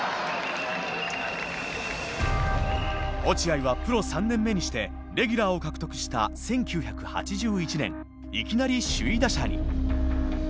落合はプロ３年目にしてレギュラーを獲得した１９８１年いきなり首位打者に。